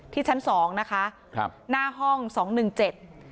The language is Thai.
ชั้นสองนะคะครับหน้าห้องสองหนึ่งเจ็ด